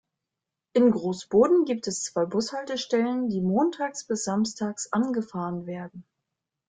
In Groß Boden gibt es zwei Bushaltestellen, die montags bis samstags angefahren werden.